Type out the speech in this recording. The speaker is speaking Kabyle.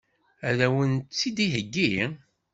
Ad wen-tt-id-iheggi?